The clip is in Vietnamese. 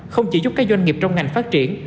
không chỉ giúp các doanh nghiệp trong ngành phát triển